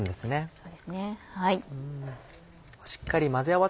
そうですね。